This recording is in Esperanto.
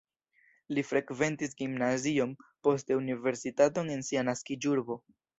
Li frekventis gimnazion, poste universitaton en sia naskiĝurbo.